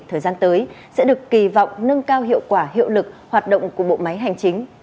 thời gian tới sẽ được kỳ vọng nâng cao hiệu quả hiệu lực hoạt động của bộ máy hành chính